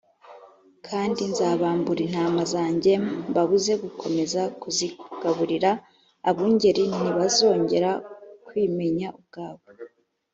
kandi nzabambura intama zanjye mbabuze gukomeza kuzigaburira abungeri ntibazongera kwimenya ubwabo